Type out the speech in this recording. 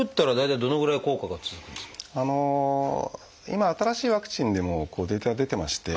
今新しいワクチンでもデータが出てまして。